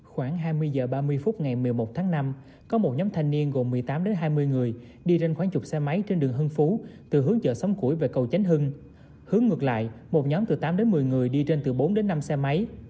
khoảng hai mươi h ba mươi phút ngày một mươi một tháng năm có một nhóm thanh niên gồm một mươi tám hai mươi người đi trên khoảng chục xe máy trên đường hưng phú từ hướng chợ sống củi về cầu chánh hưng hướng ngược lại một nhóm từ tám đến một mươi người đi trên từ bốn đến năm xe máy